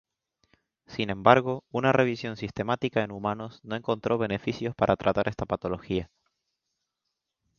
Sin embargo, una revisión sistemática en humanos no encontró beneficios para tratar esta patología.